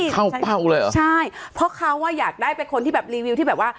เข้าเป้าเลยเหรอใช่เพราะเขาอ่ะอยากได้เป็นคนที่แบบรีวิวที่แบบว่า